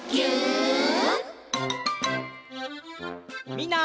みんな。